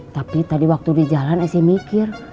tapi tadi waktu di jalan saya mikir